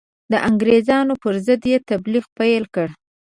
د انګرېزانو پر ضد یې تبلیغ پیل کړ.